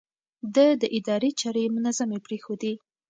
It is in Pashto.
ده د ادارې چارې منظمې پرېښودې.